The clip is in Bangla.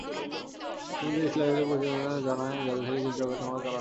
ইতিমধ্যে ইসরায়েলের প্রতিরক্ষা বাহিনী জানায়, গাজা থেকে তিনটি রকেট হামলা চালানো হয়েছে।